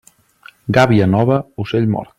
Gàbia nova, ocell mort.